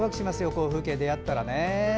この風景に出会ったら。